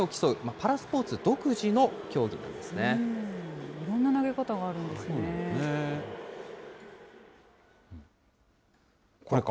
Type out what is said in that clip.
パラスポーツ独いろんな投げ方があるんですこれか。